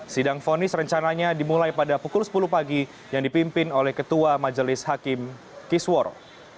sidang fonis rencananya dimulai pada pukul sepuluh pagi yang dipimpin oleh ketua majelis hakim kisworo